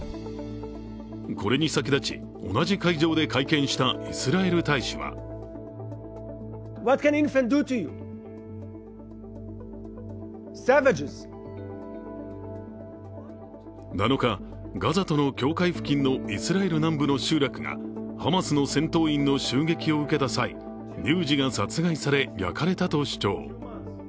これに先立ち、同じ会場で会見したイスラエル大使は７日、ガザとの境界付近のイスラエル南部の集落がハマスの戦闘員の襲撃を受けた際、乳児が殺害され焼かれたと主張。